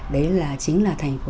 đấy là chính là thành phố